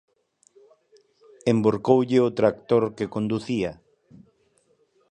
Envorcoulle o tractor que conducía.